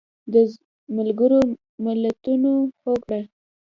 د ملګرو ملتونو هوکړه